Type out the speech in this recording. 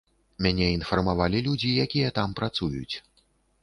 Мяне інфармавалі людзі, якія там працуюць.